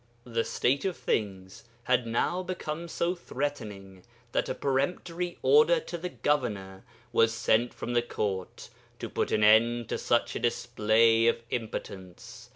The state of things had now become so threatening that a peremptory order to the governor was sent from the court to put an end to such a display of impotence.